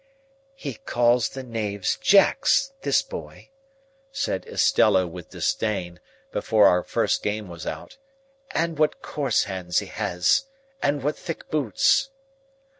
"He calls the knaves Jacks, this boy!" said Estella with disdain, before our first game was out. "And what coarse hands he has! And what thick boots!"